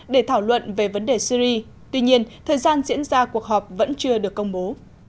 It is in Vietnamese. để thảo luận về vấn đề syri tuy nhiên thời gian diễn ra cuộc họp vẫn chưa được công bố